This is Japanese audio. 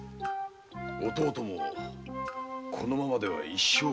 弟もこのままでは一生部屋住み。